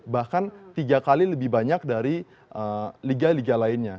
bahkan tiga kali lebih banyak dari liga liga lainnya